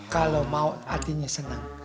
kalau mau artinya senang